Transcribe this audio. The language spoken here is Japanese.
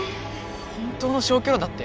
本当の消去炉だって。